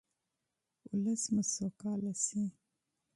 ولس مو سوکاله شي.